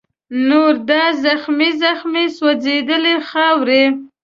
نور دا زخمې زخمي سوځلې خاوره